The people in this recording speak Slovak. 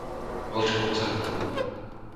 Vlčkovce